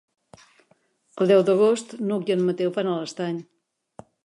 El deu d'agost n'Hug i en Mateu van a l'Estany.